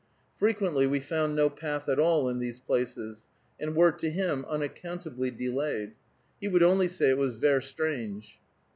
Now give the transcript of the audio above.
Frequently we found no path at all at these places, and were to him unaccountably delayed. He would only say it was "ver strange."